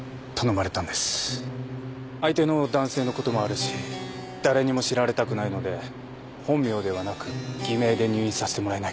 相手の男性のこともあるし誰にも知られたくないので本名ではなく偽名で入院させてもらえないかと。